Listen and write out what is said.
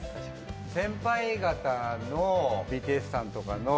先輩方のＢＴＳさんとかの。